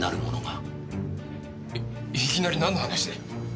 いきなりなんの話だよ？